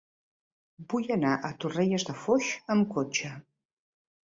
Vull anar a Torrelles de Foix amb cotxe.